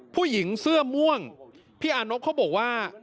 ผู้หญิงเสื้อม่วงพี่อานบเขาบอกว่า